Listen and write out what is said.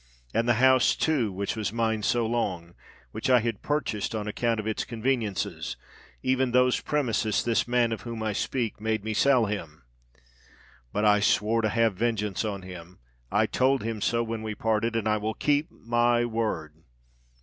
And the house, too, which was mine so long—which I had purchased on account of its conveniences,—even those premises this man of whom I speak, made me sell him. But I swore to have vengeance on him—I told him so when we parted—and I will keep my word!"